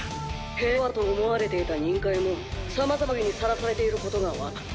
平和だと思われていた忍界もさまざまな脅威にさらされていることがわかった。